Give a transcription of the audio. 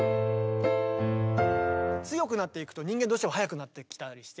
強くなっていくと人間どうしても速くなってきたりして。